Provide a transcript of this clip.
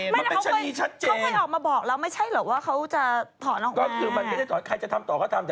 มันก็จะถอนใครจะทำต่อก็ตอด